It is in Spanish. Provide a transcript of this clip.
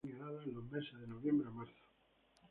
Se tienen heladas en los meses de noviembre a marzo.